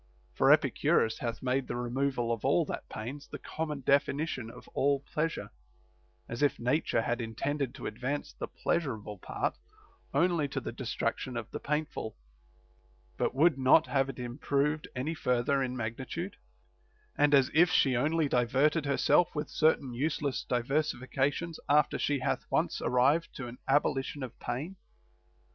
For Epicurus hath made the removal of all that pains the common definition of all pleasure ; as if Nature had intended to advance the pleasurable part only to the destruction of the painful, but would not have it improved any further in magnitude, arM as if she only diverted herself with certain useless di versifications after she hath once arrived to an abolition of pain.